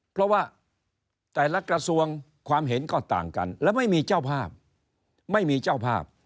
เพราะว่าแต่ละกระทรวงความเห็นก็ต่างกันและไม่มีเจ้าภาพไม่มีเจ้าภาพ